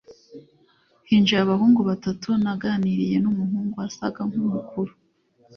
hinjiye abahungu batatu. naganiriye numuhungu wasaga nkumukuru